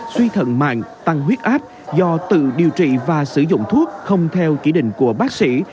suy thận mạng tăng huyết áp do tự điều trị và sử dụng thuốc không theo chỉ định của bác sĩ